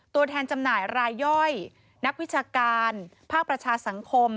ตัวแทนจำหน่ายรายย่อยนักวิชาการภาคประชาสังคม